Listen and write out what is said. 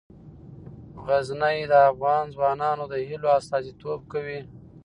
غزني د افغان ځوانانو د هیلو استازیتوب کوي.